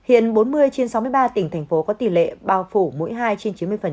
hiện bốn mươi trên sáu mươi ba tỉnh thành phố có tỷ lệ bao phủ mỗi hai trên chín mươi